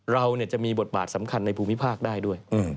เราจะมีบทบาทสำคัญในภูมิภาคได้ด้วย